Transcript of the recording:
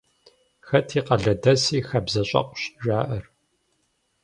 «Хэт и къалэдэси хабзэщӏэкъущ» жаӏэр.